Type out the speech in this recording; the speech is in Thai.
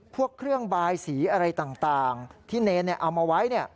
พวกเครื่องบายสีอะไรต่างที่เนรเอามาไว้